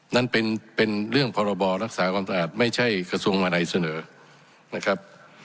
นั่นเป็นเรื่องพรบรักษาความสะอาดไม่ใช่กระทรวงมาลัยเสนอนะครับ